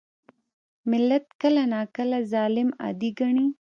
ملت کله ناکله ظالم عادي ګڼي.